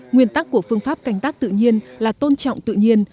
nguyên tắc của phương pháp canh tác tự nhiên là tôn trọng tự nhiên